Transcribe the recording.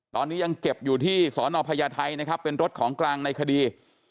ตอนนี้ยังเก็บอยู่ที่สอนอพญาไทยนะครับเป็นรถของกลางในคดี